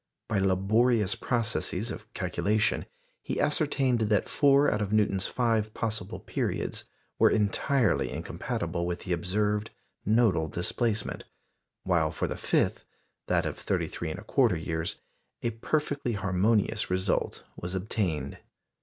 By laborious processes of calculation, he ascertained that four out of Newton's five possible periods were entirely incompatible with the observed nodal displacement, while for the fifth that of 33 1/4 years a perfectly harmonious result was obtained.